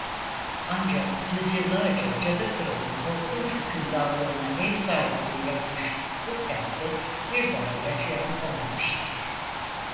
Ancak yüzyıllarca Cadı Kral'ın korkunç hükümdarlığına ev sahipliği yapmış bu kentte bir daha yaşayan olmamıştır.